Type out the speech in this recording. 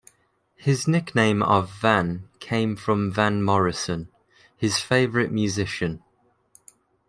His nickname of "Van" came from Van Morrison, his favourite musician.